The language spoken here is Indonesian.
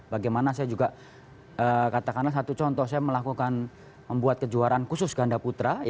bagaimana saya juga katakanlah satu contoh saya melakukan membuat kejuaraan khusus ganda putra